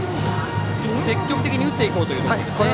積極的に打っていこうという感じですね。